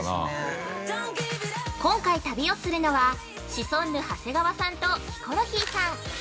◆今回、旅をするのはシソンヌ・長谷川さんとヒコロヒーさん。